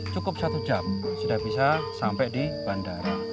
cukup satu jam sudah bisa sampai di bandara